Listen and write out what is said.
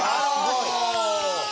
すごい。